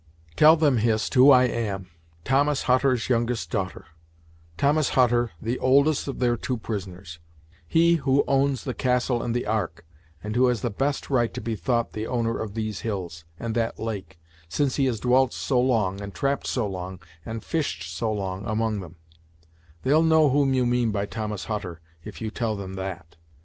"Tell them, Hist, who I am Thomas Hutter's youngest daughter; Thomas Hutter, the oldest of their two prisoners; he who owns the castle and the Ark, and who has the best right to be thought the owner of these hills, and that lake, since he has dwelt so long, and trapped so long, and fished so long, among them They'll know whom you mean by Thomas Hutter, if you tell them, that.